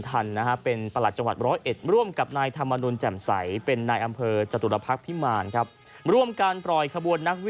คนมาเยอะดูสิมาหาช่างพาของเรา